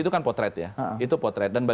itu kan potret ya